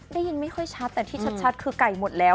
ไม่ค่อยชัดแต่ที่ชัดคือไก่หมดแล้ว